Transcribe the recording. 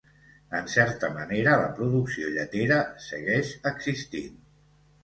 En certa manera, la producció lletera segueix existint.